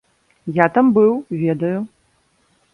Я там быў, ведаю.